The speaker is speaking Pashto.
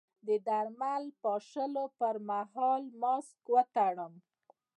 د درمل پاشلو پر مهال ماسک وتړم؟